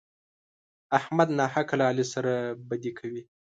احمد ناحقه له علي سره بدي کوي.